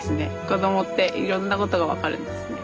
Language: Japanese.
子供っていろんなことが分かるんですね。